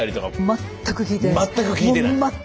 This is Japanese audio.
全く聞いてないです。